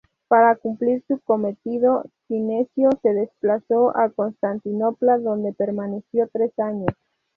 Para cumplir su cometido, Sinesio se desplazó a Constantinopla, donde permaneció tres años.